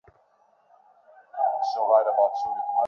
এতে আমার বাবার সুনাম হবে।